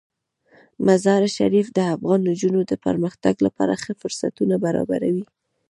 مزارشریف د افغان نجونو د پرمختګ لپاره ښه فرصتونه برابروي.